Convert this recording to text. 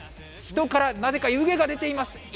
人からなぜか湯気が出ています。